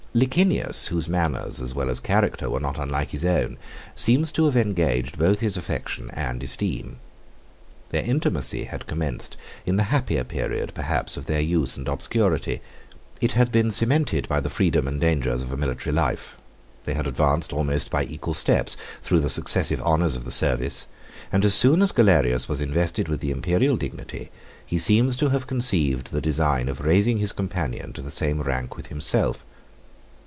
Licinius, whose manners as well as character were not unlike his own, seems to have engaged both his affection and esteem. Their intimacy had commenced in the happier period perhaps of their youth and obscurity. It had been cemented by the freedom and dangers of a military life; they had advanced almost by equal steps through the successive honors of the service; and as soon as Galerius was invested with the Imperial dignity, he seems to have conceived the design of raising his companion to the same rank with himself.